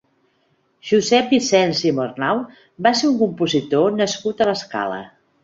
Josep Vicens i Mornau va ser un compositor nascut a l'Escala.